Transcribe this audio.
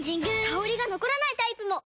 香りが残らないタイプも！